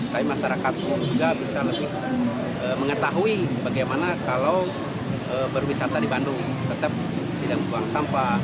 tapi masyarakat pun juga bisa lebih mengetahui bagaimana kalau berwisata di bandung tetap tidak membuang sampah